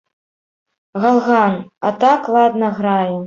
Галган, а так ладна грае.